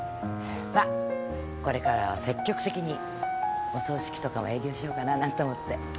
まぁこれからは積極的にお葬式とかも営業しようかななんて思って。